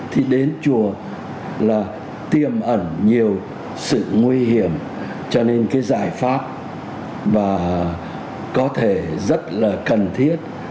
thì đến chùa là tiềm ẩn nhiều sự nguy hiểm cho nên cái giải pháp và có thể rất là cần thiết